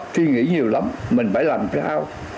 suy nghĩ nhiều lắm mình phải làm sao